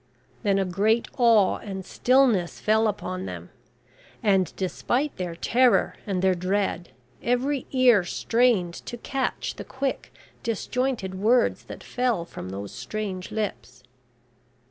Then a great awe and stillness fell upon them, and, despite their terror and their dread, every ear strained to catch the quick disjointed words that fell from those strange lips.